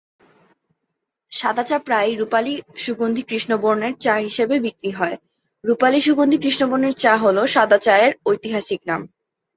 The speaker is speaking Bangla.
সাদা চা প্রায়ই রূপালি-সুগন্ধি কৃষ্ণ বর্ণের চা হিসেবে বিক্রি হয়। রূপালি-সুগন্ধি কৃষ্ণ বর্ণের চা হলো সাদা চা এর ঐতিহাসিক নাম।